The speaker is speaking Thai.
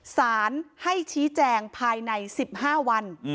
สารให้ชี้แจงภายใน๑๕วัน